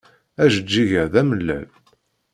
Ajeǧǧig-a d amellal.